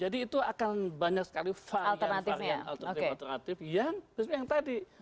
jadi itu akan banyak sekali varian alternatif yang tadi